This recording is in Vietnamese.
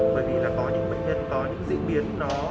bởi vì có những bệnh nhân có những diễn biến